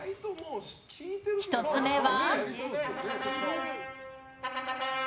１つ目は。